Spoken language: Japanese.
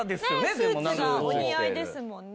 スーツがお似合いですもんね。